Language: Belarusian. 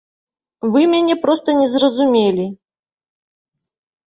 Вы мяне проста не зразумелі.